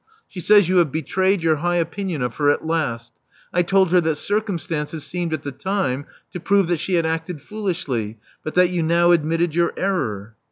She says you have betrayed your um! v^pinion of her at last. I told her that circum stances seemed at the time to prove that she had acted tvv»!is!\!v. but that you now admitted your error.